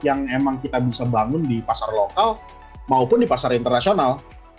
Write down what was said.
yang memang kita bisa bangun di pasar lokal maupun di pasar internasional